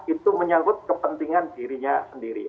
itu menyangkut kepentingan dirinya sendiri